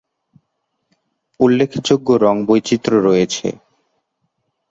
উল্লেখযোগ্য রঙ বৈচিত্র রয়েছে।